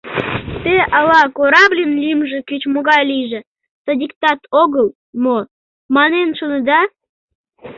Те ала, корабльын лӱмжӧ кеч-могай лийже — садиктак огыл мо, манын шонеда?